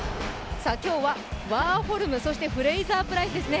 今日はワーホルム、そしてフレイザープライスですね。